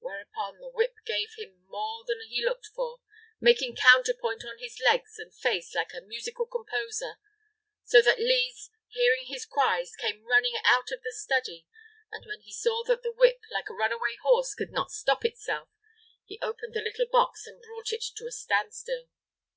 whereupon the whip gave him more than he looked for, making counterpoint on his legs and face like a musical composer, so that Lise, hearing his cries, came running out of the study; and when he saw that the whip, like a runaway horse, could not stop itself, he opened the little box and brought it to a standstill.